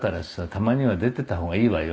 たまには出ていった方がいいわよ」